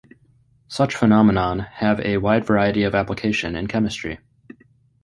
Such phenomenon have a wide variety of application in chemistry.